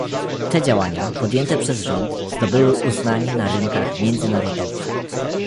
Te działania, podjęte przez rząd, zdobyły uznanie na rynkach międzynarodowych